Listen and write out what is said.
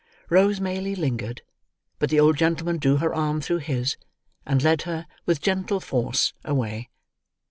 Rose Maylie lingered, but the old gentleman drew her arm through his, and led her, with gentle force, away.